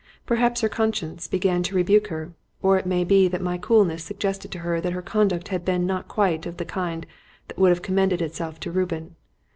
Perhaps her conscience began to rebuke her, or it may be that my coolness suggested to her that her conduct had not been quite of the kind that would have commended itself to Reuben.